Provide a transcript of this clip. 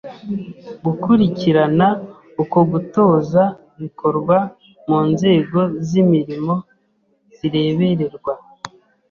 Gukurikirana uko gutoza bikorwa mu nzego z’imirimo zirebererwa